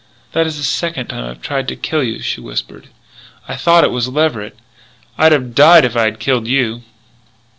"That is the second time I've tried to kill you," she whispered. "I thought it was Leverett.... I'd have died if I had killed you."